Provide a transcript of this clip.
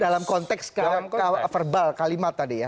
dalam konteks verbal kalimat tadi ya